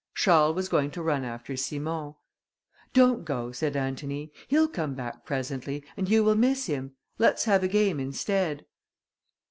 Charles was going to run after Simon. "Don't go," said Antony, "he'll come back presently, and you will miss him. Let's have a game instead."